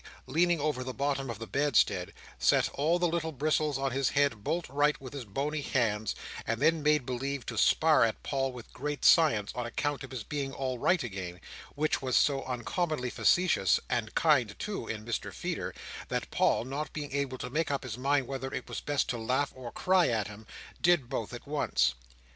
leaning over the bottom of the bedstead, set all the little bristles on his head bolt upright with his bony hands, and then made believe to spar at Paul with great science, on account of his being all right again, which was so uncommonly facetious, and kind too in Mr Feeder, that Paul, not being able to make up his mind whether it was best to laugh or cry at him, did both at once.